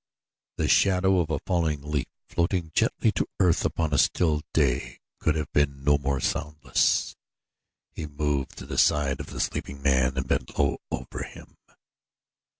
The shadow of a falling leaf, floating gently to earth upon a still day, could have been no more soundless. He moved to the side of the sleeping man and bent low over him.